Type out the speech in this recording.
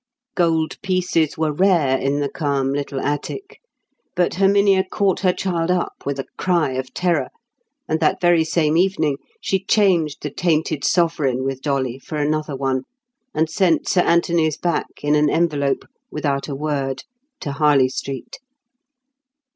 Gold pieces were rare in the calm little attic, but Herminia caught her child up with a cry of terror; and that very same evening, she changed the tainted sovereign with Dolly for another one, and sent Sir Anthony's back in an envelope without a word to Harley Street.